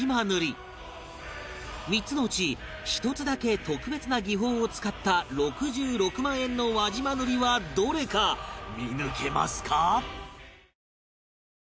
３つのうち１つだけ特別な技法を使った６６万円の輪島塗はどれか見抜けますか？